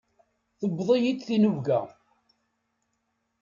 Tewweḍ-iyi-d tinubga.